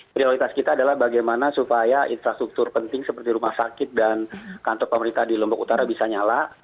prioritas kita adalah bagaimana supaya infrastruktur penting seperti rumah sakit dan kantor pemerintah di lombok utara bisa nyala